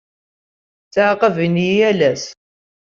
Ttɛaqaben-iyi yal ass.